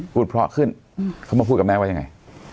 พูดเพราะขึ้นเขามาพูดกับแม่ว่ายังไง